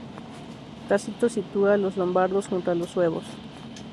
Tácito sitúa a los lombardos junto a los suevos.